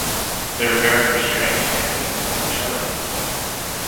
Their very restraint makes it the more terrible.